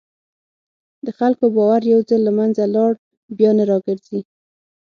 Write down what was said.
د خلکو باور یو ځل له منځه لاړ، بیا نه راګرځي.